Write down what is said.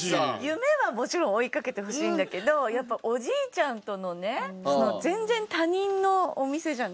夢はもちろん追いかけてほしいんだけどやっぱおじいちゃんとのね全然他人のお店じゃないじゃないですか。